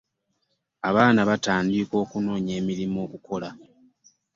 abaana baatandika okunoonya emirimu okukola.